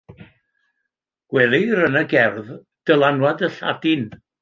Gwelir yn y gerdd dylanwad y Lladin.